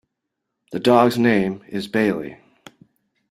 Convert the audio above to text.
The dog's name is Bailey.